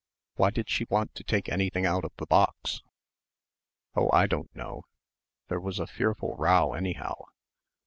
"Why did she want to take anything out of the box?" "Oh, I don't know. There was a fearful row anyhow.